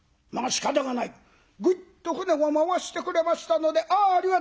ぐいっと船を回してくれましたので「ああありがたい」。